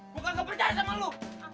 gue kagak percaya sama lu